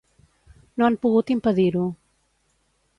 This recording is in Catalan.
No han pogut impedir-ho.